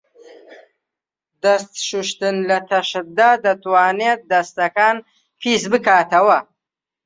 دەست شوشتن لە تەشتدا دەتوانێت دەستەکان پیسبکاتەوە.